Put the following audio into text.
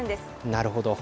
なるほど。